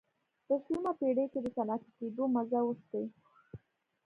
په شلمه پېړۍ کې د صنعتي کېدو مزه وڅکي.